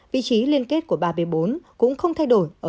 vị trí liên kết của ba b bốn cũng không thay đổi